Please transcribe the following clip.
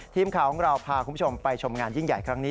ทีมข่าวของเราพาคุณผู้ชมไปชมงานยิ่งใหญ่ครั้งนี้